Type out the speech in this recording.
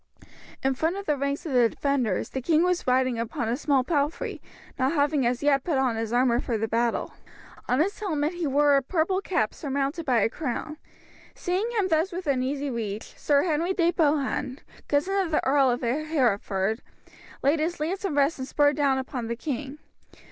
In front of the ranks of the defenders the king was riding upon a small palfrey, not having as yet put on his armour for the battle. On his helmet he wore a purple cap surmounted by a crown. Seeing him thus within easy reach, Sir Henry de Bohun, cousin of the Earl of Hereford, laid his lance in rest and spurred down upon the king.